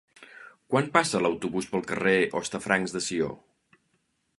Quan passa l'autobús pel carrer Hostafrancs de Sió?